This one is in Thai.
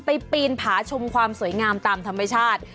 ปีนผาชมความสวยงามตามธรรมชาติ